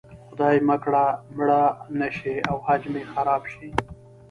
خدای مه کړه مړه نه شي او حج مې خراب شي.